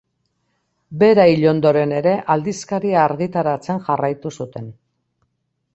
Bera hil ondoren ere aldizkaria argitaratzen jarraitu zuten.